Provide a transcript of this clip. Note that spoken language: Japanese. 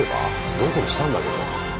すごいことしたんだけど。